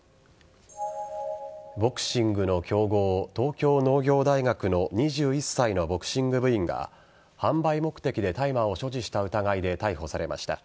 ボクシングの強豪東京農業大学の２１歳のボクシング部員が販売目的で大麻を所持した疑いで逮捕されました。